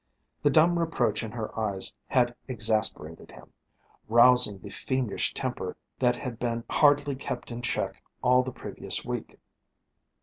The dumb reproach in her eyes had exasperated him, rousing the fiendish temper that had been hardly kept in check all the previous week.